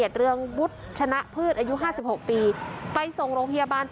เยี่ยม